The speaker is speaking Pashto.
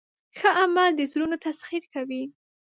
ښه عمل د زړونو تسخیر کوي.